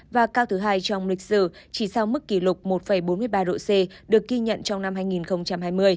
và cao thứ hai trong lịch sử chỉ sau mức kỷ lục một bốn mươi ba độ c được ghi nhận trong năm hai nghìn hai mươi